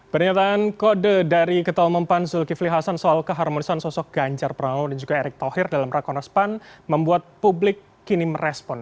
pernyataan kode dari ketua mempan zulkifli hasan soal keharmonisan sosok ganjar pramowo dan juga erik thohir dalam rakanos pan membuat publik kini merespon